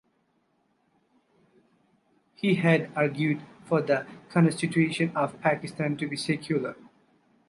He had argued for the constitution of Pakistan to be secular.